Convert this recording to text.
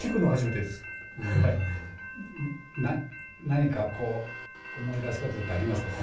何かこう思い出すことってありますか？